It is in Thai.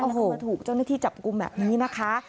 แล้วเขามาถูกเจ้าหน้าที่จับกุมแบบนี้นะคะ